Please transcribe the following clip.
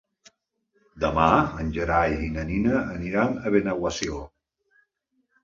Demà en Gerai i na Nina aniran a Benaguasil.